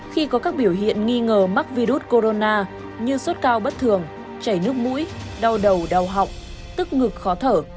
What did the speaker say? khi có các biểu hiện nghi ngờ mắc virus corona như sốt cao bất thường chảy nước mũi đau đầu đau họng tức ngực khó thở